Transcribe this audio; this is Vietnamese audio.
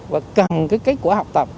và cần cái kết quả học tập